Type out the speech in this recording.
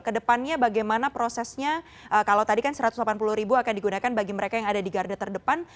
kedepannya bagaimana prosesnya kalau tadi kan satu ratus delapan puluh ribu akan digunakan bagi mereka yang ada di garda terdepan